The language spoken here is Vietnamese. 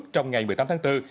trong ngày một mươi tám tháng bốn